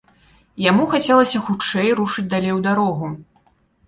Яму хацелася хутчэй рушыць далей у дарогу.